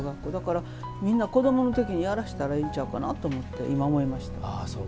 みんな、子どもの時にやらしたらええんちゃうかなって思いました。